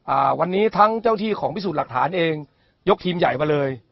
อ่าวันนี้ทั้งเจ้าที่ของพิสูจน์หลักฐานเองยกทีมใหญ่มาเลย